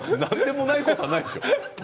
なんでもないことはないでしょう。